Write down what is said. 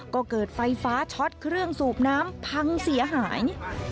ก็เกิดไฟฟ้าช็อตเครื่องสูบน้ำพังเสียหาย